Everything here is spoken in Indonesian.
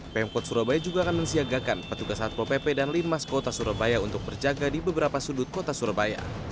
pemkot surabaya juga akan mensiagakan petugas satpol pp dan limas kota surabaya untuk berjaga di beberapa sudut kota surabaya